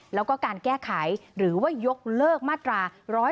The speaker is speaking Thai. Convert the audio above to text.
แล้วก็การแก้ไขหรือว่ายกเลิกมาตรา๑๑๒